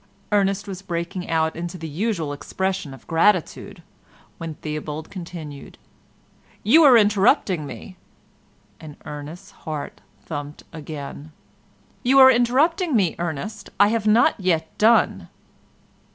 Ernest was breaking out into the usual expressions of gratitude, when Theobald continued, "You are interrupting me," and Ernest's heart thumped again. "You are interrupting me, Ernest. I have not yet done."